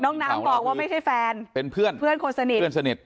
น้องน้ำบอกว่าไม่ใช่แฟนเป็นเพื่อนเพื่อนคนสนิทเพื่อนสนิท